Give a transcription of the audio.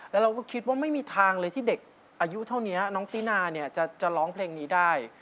แล้วเราก็คิดว่าไม่มีทางเลยที่เด็กอายุเท่านี้น้องตินาเนี่ยจะร้องเพลงนี้ได้